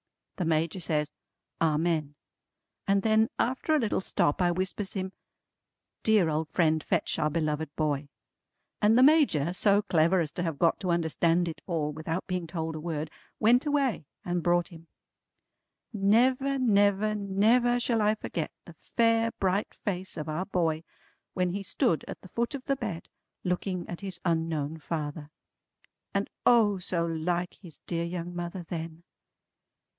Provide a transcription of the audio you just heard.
The Major says "Amen!" and then after a little stop I whispers him, "Dear old friend fetch our beloved boy." And the Major, so clever as to have got to understand it all without being told a word, went away and brought him. Never never never shall I forget the fair bright face of our boy when he stood at the foot of the bed, looking at his unknown father. And O so like his dear young mother then!